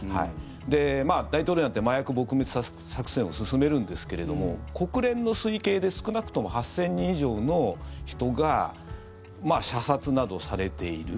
で、大統領になって麻薬撲滅作戦を進めるんですけど国連の推計で少なくとも８０００人以上の人が射殺などされている。